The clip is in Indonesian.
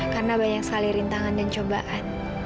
karena banyak sekali rintangan dan cobaan